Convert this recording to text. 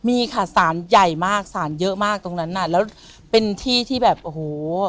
มีค่ะสารใหญ่มากสารเยอะมากตรงนั้นน่ะแล้วเป็นที่ที่แบบโอ้โห